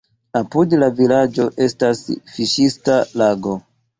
Apud la vilaĝo estas fiŝista lago.